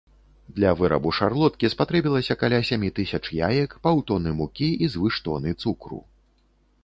Для вырабу шарлоткі спатрэбілася каля сямі тысяч яек, паўтоны мукі і звыш тоны цукру.